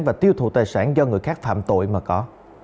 và tiêu thụ tài sản do người khác phạm tội mà có